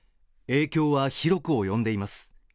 影響は広く及んでいます。